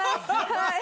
はい。